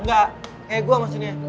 enggak kayak gua maksudnya